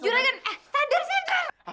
juragan eh sadar sadar